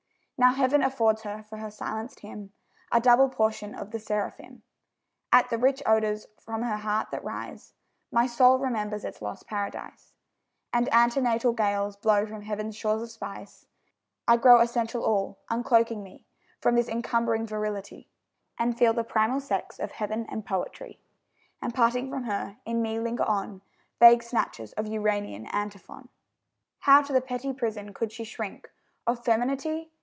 Now Heaven affords her, for her silenced hymn, A double portion of the seraphim. At the rich odours from her heart that rise, My soul remembers its lost Paradise, And antenatal gales blow from Heaven's shores of spice; I grow essential all, uncloaking me From this encumbering virility, And feel the primal sex of heaven and poetry: And parting from her, in me linger on Vague snatches of Uranian antiphon. How to the petty prison could she shrink Of femineity?